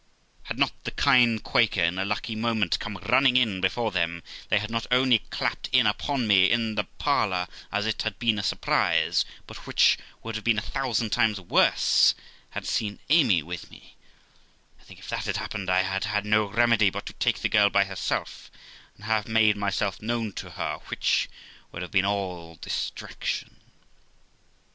Had not the kind Quaker, in a lucky moment, come running in before them, they had not only clapped in upon me, in the parlour, as it had been a surprise, but which would have been a thousand times worse, had seen Amy with me; I think if that had happened, I had had no remedy but to take the girl by herself, and have made myself known to her, which would have been all distraction.